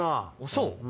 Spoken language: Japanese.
そう？